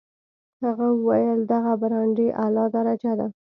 هغه وویل دغه برانډې اعلی درجه ده.